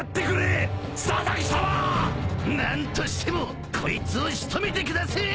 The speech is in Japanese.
何としてもこいつを仕留めてくだせえ！